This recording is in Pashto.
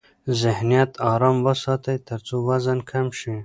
ذهنیت آرام وساتئ ترڅو وزن کم شي.